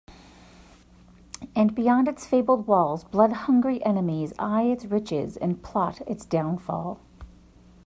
And beyond its fabled walls blood-hungry enemies eye its riches and plot its downfall.